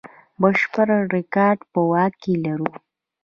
بشپړ ریکارډ په واک کې لرو.